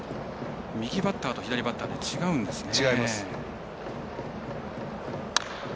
右バッターと左バッターで違うんですね。